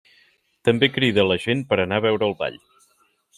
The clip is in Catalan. També crida la gent per anar a veure el ball.